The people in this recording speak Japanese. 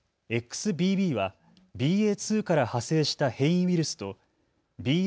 ＸＢＢはＢＡ．２から派生した変異ウイルスとＢＡ